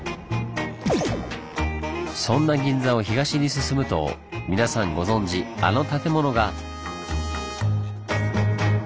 そんな銀座を東に進むと皆さんご存じあの建物が！